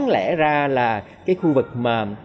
là cái khu vực mà